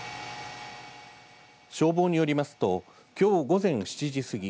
消防によりますときょう午前７時過ぎ